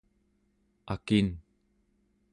akin